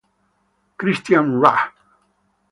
Christian Rahn